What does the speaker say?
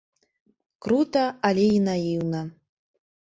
Крута, але і наіўна.